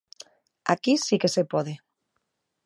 Aquí si que se pode.